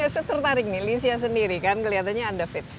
tapi saya tertarik nih licia sendiri kan kelihatannya anda fit